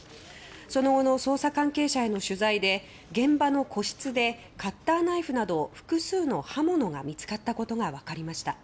その後の、捜査関係者への取材で現場の個室でカッターナイフなど複数の刃物が見つかったことが分かりました。